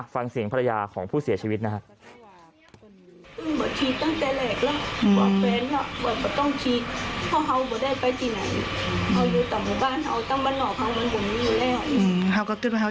ฟังเสียงภรรยาของผู้เสียชีวิตนะครับ